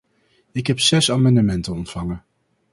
Ik heb zes amendementen ontvangen.